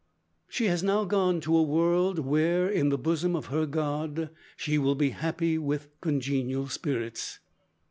"She has now gone to a world, where, in the bosom of her God, she will be happy with congenial spirits.